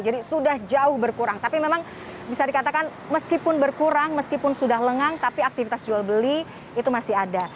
jadi sudah jauh berkurang tapi memang bisa dikatakan meskipun berkurang meskipun sudah lengang tapi aktivitas jual beli itu masih ada